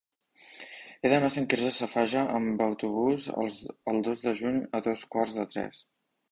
He d'anar a Sant Quirze Safaja amb autobús el dos de juny a dos quarts de tres.